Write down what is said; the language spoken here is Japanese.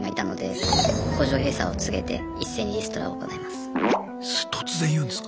それ突然言うんですか？